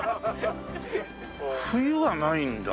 「冬」はないんだ。